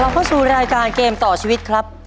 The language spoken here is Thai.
เข้าสู่รายการเกมต่อชีวิตครับ